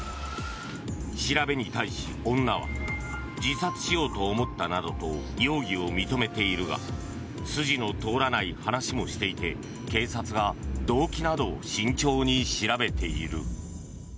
調べに対し、女は自殺しようと思ったなどと容疑を認めているが筋の通らない話もしていて警察が動機などを慎重に調べている。